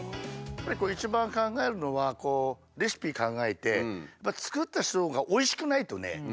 やっぱり一番考えるのはレシピ考えて作った人がおいしくないとねやっぱり見ないんですよ。